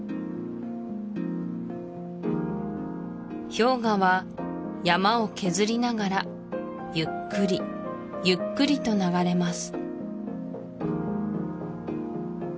氷河は山を削りながらゆっくりゆっくりと流れます